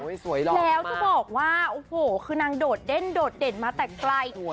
แล้วจะบอกว่าโอ้โหคือนางโดดเด้นโดดเด่นมาแต่ไกล